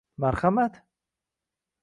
Marhamat.